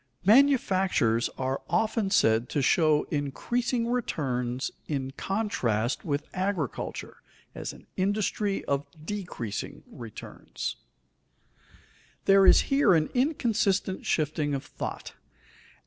_Manufactures are often said to show increasing returns in contrast with agriculture as an industry of decreasing returns._ There is here an inconsistent shifting of thought.